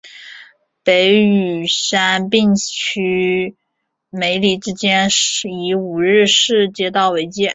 北与杉并区梅里之间以五日市街道为界。